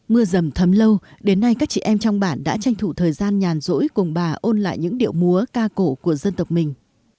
mưa dầm thấm lâu đến nay các chị em trong bản đã tranh thủ thời gian nhàn rỗi cùng bà ôn lại những điệu múa ca cổ của dân tộc mình